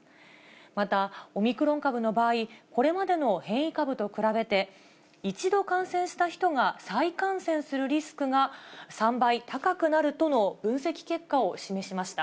また、オミクロン株の場合、これまでの変異株と比べて、一度感染した人が再感染するリスクが３倍高くなるとの分析結果を示しました。